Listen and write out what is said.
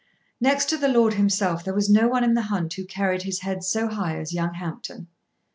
Next to the lord himself there was no one in the hunt who carried his head so high as young Hampton.